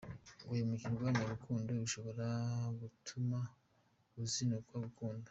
Guhemukirwa mu rukundo bishobora gutuma uzinukwa gukunda